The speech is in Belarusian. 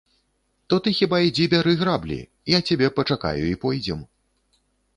То ты хіба ідзі бяры граблі, я цябе пачакаю і пойдзем.